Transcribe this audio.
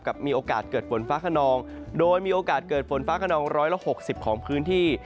มีโอกาสเกิดฝนฟ้าขนองโดยมีโอกาสเกิดฝนฟ้าขนองร้อยละ๖๐ของพื้นที่